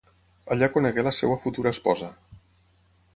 Allà conegué la seva futura esposa.